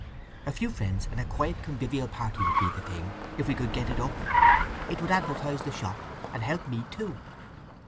A few friends, and a quiet convivial party would be the thing, if we could get it up. It would advertise the shop, and help me too."